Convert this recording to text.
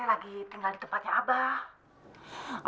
lagi tinggal di tempatnya abah